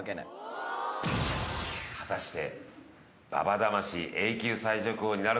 果たして。